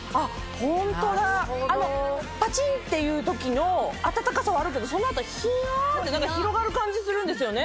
ホントだパチンっていう時の温かさはあるけどその後ヒヤって広がる感じするんですよね。